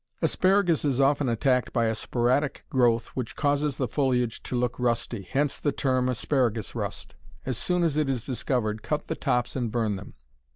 Asparagus is often attacked by a sporadic growth which causes the foliage to look rusty, hence the term, asparagus rust. As soon as it is discovered, cut the tops and burn them.